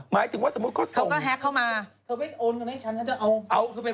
หมายถึงว่าสมมุติเขาส่ง